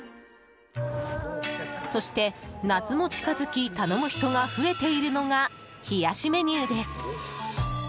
そして夏も近づき頼む人が増えているのが冷やしメニューです。